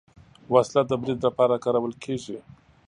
وسله د برید لپاره کارول کېږي